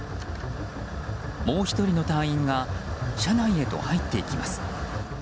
もう１人の隊員が車内へと入っていきます。